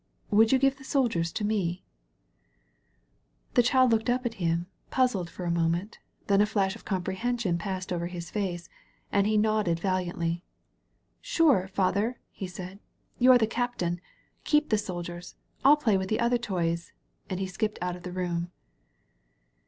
Would you give the soldiers to me ?" The child looked up at him, puzzled for a moment; then a flash of comprehension passed over his face, and he nodded valiantly. "Sure, Father,'* he said, "You're the Captain. Keep the soldiers. I'll play with the other toys," and he skipped out of the room.